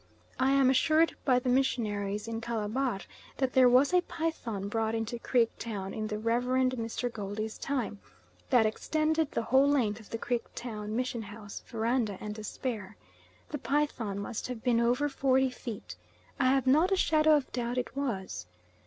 I am assured by the missionaries in Calabar, that there was a python brought into Creek Town in the Rev. Mr. Goldie's time, that extended the whole length of the Creek Town mission house verandah and to spare. This python must have been over 40 feet. I have not a shadow of doubt it was.